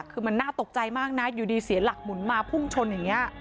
คือมันน่าตกใจมากนะอยู่ดีเสียหลักหมุนมาพุ่งชนอย่างนี้